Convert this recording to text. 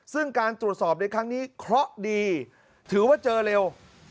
ซึ่งการตรวจสอบในครั้งนี้เคราะห์ดีถือว่าเจอเร็ว